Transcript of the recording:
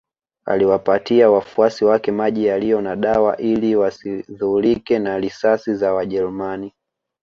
Aliwapatia wafuasi wake maji yaliyo na dawa ili wasidhurike na risasi za wajerumani